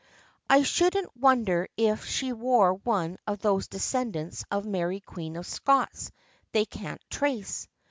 I shouldn't wonder if she were one of those descendants of Mary Queen of Scots they can't trace.